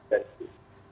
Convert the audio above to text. tujuh ke delapan dari itu